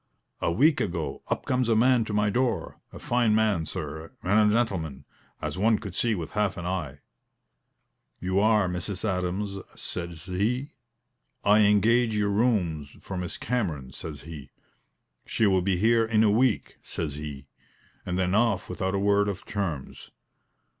A week ago, up comes a man to my door a fine man, sir, and a gentleman, as one could see with half an eye. 'You are Mrs. Adams,' says he. 'I engage your rooms for Miss Cameron,' says he. 'She will be here in a week,' says he; and then off without a word of terms.